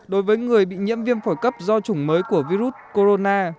đối với người bị nhiễm viêm phổi cấp do chủng mới của virus corona